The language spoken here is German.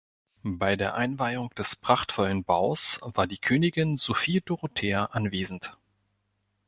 Bei der Einweihung des prachtvollen Baus war die Königin Sophie Dorothea anwesend.